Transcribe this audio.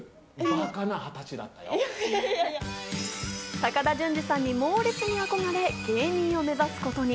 高田純次さんに猛烈に憧れ、芸人を目指すことに。